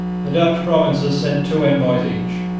The Dutch provinces sent two envoys each.